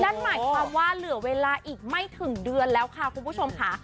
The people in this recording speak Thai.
นั่นหมายความว่าเหลือเวลาอีกไม่ถึงเดือนแล้วค่ะคุณผู้ชมค่ะ